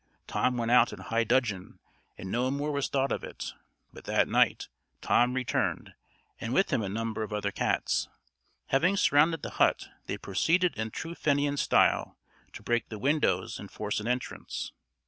Tom went out in high dudgeon, and no more was thought of it. But that night Tom returned, and with him a number of other cats. Having surrounded the hut, they proceeded in true Fenian style, to break the windows and force an entrance.